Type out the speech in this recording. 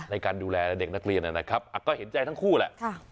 ในการดูแลเด็กนักเรียนนะครับก็เห็นใจทั้งคู่แหละ